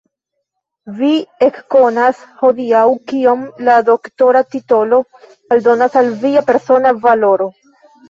Vi ekkonas hodiaŭ, kiom la doktora titolo aldonas al via persona valoro!